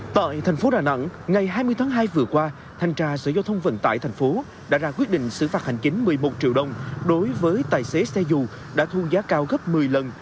tại thành phố đà nẵng ngày hai mươi tháng hai vừa qua thanh tra sở giao thông vận tải thành phố đã ra quyết định xử phạt hành chính một mươi một triệu đồng đối với tài xế xe dù đã thu giá cao gấp một mươi lần